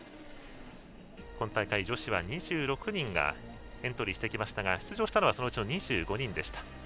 今大会女子は２６人がエントリーしてきましたが出場したのはそのうちの２５人でした。